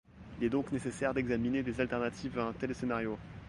Il est donc nécessaire d’examiner des alternatives à un tel scénario.